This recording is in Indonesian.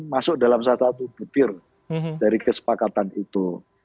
masuk dalam satu satu buktir dari kesepakatan itu